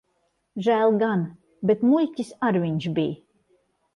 Žēl gan. Bet muļķis ar viņš bij.